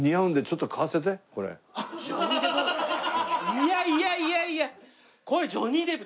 いやいやいやいや！